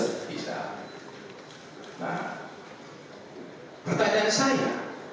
nah pertanyaan saya